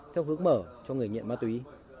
theo hước mở cho người nghiện ma túy